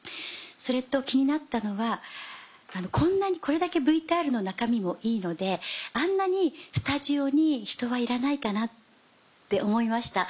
それと気になったのはこれだけＶＴＲの中身もいいのであんなにスタジオに人はいらないかなって思いました。